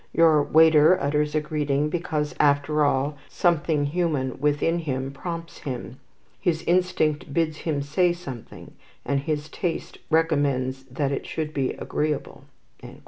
Your waiter utters a greeting because, after all, something human within him prompts him. His instinct bids him say something, and his taste recommends that it should be agreeable."